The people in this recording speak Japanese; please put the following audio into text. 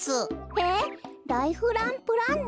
えっライフランプランナー？